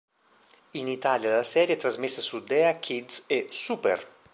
In Italia la serie è trasmessa su DeA Kids e Super!